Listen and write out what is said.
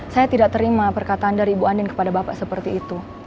saya tidak terima perkataan dari ibu andin kepada bapak seperti itu